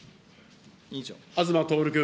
東徹君。